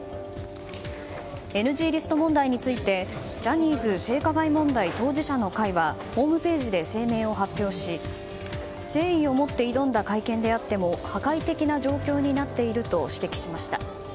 ＮＧリスト問題についてジャニーズ性加害問題当事者の会はホームページで声明を発表し誠意を持って挑んだ会見であっても破壊的な状況になっていると指摘しました。